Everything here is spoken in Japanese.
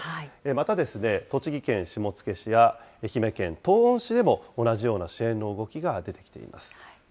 また、栃木県下野市や、愛媛県東温市でも、同じような支援の動きが出てきています。